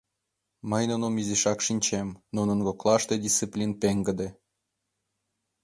Мый нуным изишак шинчем: нунын коклаште дисциплин пеҥгыде.